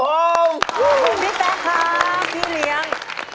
ขอบคุณพี่แฟนค่ะพี่เลี้ยง